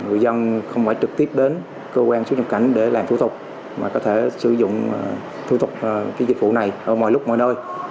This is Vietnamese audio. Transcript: người dân không phải trực tiếp đến cơ quan xuất nhập cảnh để làm thủ tục mà có thể sử dụng thu thục cái dịch vụ này ở mọi lúc mọi nơi